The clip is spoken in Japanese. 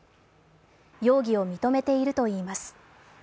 容疑を認めているといいます。